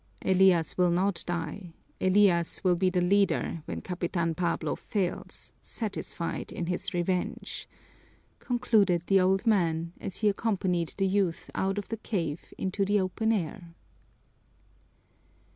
"Elias will not die, Elias will be the leader when Capitan Pablo fails, satisfied in his revenge," concluded the old man, as he accompanied the youth out of the cave into the open air.